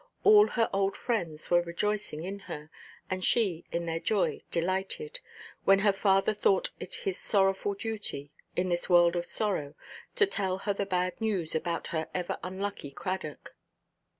All her old friends were rejoicing in her, and she in their joy delighted, when her father thought it his sorrowful duty, in this world of sorrow, to tell her the bad news about her ever unlucky Cradock.